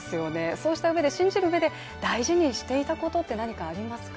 そうしたうえで、信じるうえで大事にしていたことって何かありますか？